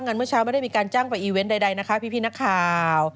เมื่อเช้าไม่ได้มีการจ้างไปอีเวนต์ใดนะคะพี่นักข่าว